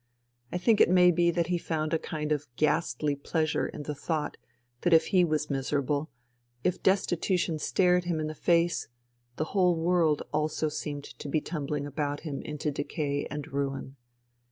I think it may be that he found a kind of ghastly pleasure in the thought that if he was miserable, if destitution stared him in the face, the whole world also seemed to be tumbling about him into decay and ruin.